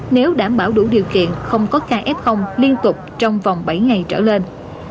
nếu đảm bảo đủ điều kiện không có kf liên tục trong vòng bảy ngày trở lên